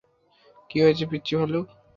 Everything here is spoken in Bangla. কী হয়েছে, পিচ্চি ভালুক?